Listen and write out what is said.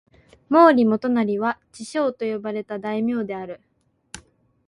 毛利元就は智将と呼ばれた大名である。